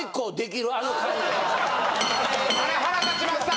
あれ腹立ちました！